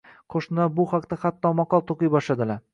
Qo`shnilar bu haqda hatto maqol to`qiy boshladilar